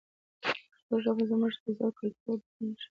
پښتو ژبه زموږ د سپېڅلي کلتور او دودونو نښه ده.